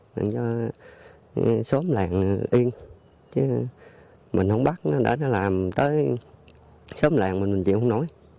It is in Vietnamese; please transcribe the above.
để cho xóm làng yên chứ mình không bắt nó để nó làm tới xóm làng mình chịu không nổi